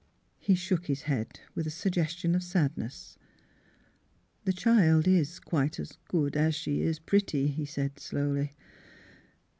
He shook his head with a suggestion of sadness. " The child is quite as good as she is pretty,'* he said, slowly.